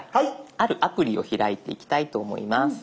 あるアプリを開いていきたいと思います。